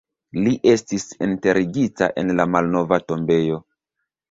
Li estis enterigita en la malnova tombejo.